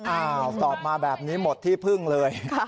อ้าวสอบมาแบบนี้หมดที่พึ่งเลย